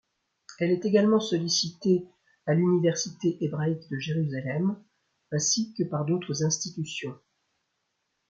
Elle est également sollicitée à l'Université Hébraïque de Jérusalem ainsi que par d'autre institutions.